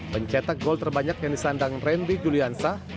pencetak gol terbanyak yang disandang randy juliansah